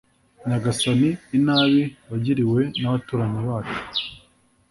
Nyagasani inabi wagiriwe n’abaturanyi bacu